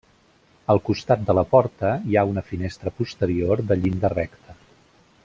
Al costat de la porta hi ha una finestra posterior de llinda recta.